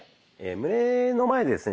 胸の前でですね